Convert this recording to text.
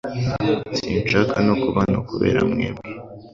Sinshaka no kuba hano kubera mwebwe